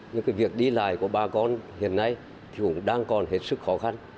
nhưng việc đi lại của bà con hiện nay cũng đang còn hết sức khó khăn